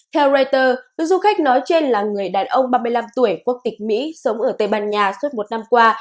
theo reuters du khách nói trên là người đàn ông ba mươi năm tuổi quốc tịch mỹ sống ở tây ban nha suốt một năm qua